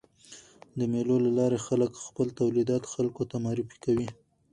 د مېلو له لاري خلک خپل تولیدات خلکو ته معرفي کوي.